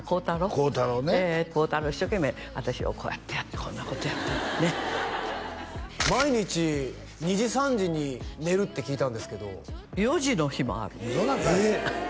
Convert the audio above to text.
幸太郎一生懸命私をこうやってやってこんなことやったりね毎日２時３時に寝るって聞いたんですけど４時の日もあるええっ！